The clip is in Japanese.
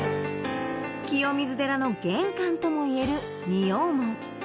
清水寺の玄関ともいえる仁王門